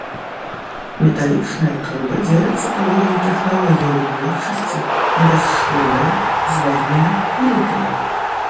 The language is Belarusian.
Металічныя трубы дзеляцца паводле тэхналогіі вытворчасці на бясшвовыя, зварныя і літыя.